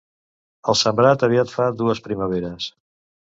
El sembrat aviat fa dues primaveres.